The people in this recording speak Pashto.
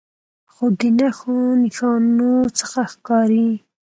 خو د نښو نښانو څخه ښکارې